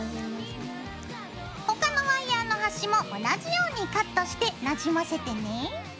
他のワイヤーの端も同じようにカットしてなじませてね。